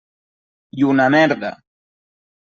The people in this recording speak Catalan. I una merda!